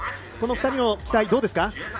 この２人の期待、どうですか？